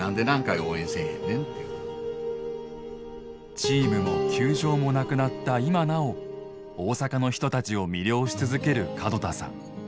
チームも球場もなくなった今なお大阪の人たちを魅了し続ける門田さん。